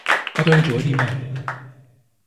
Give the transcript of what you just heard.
我對你做咗啲咩？